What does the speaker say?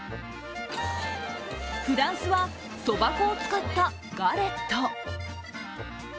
フランスはそば粉を使ったガレット。